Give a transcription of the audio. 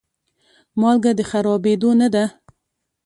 مالګه د خرابېدو نه ده.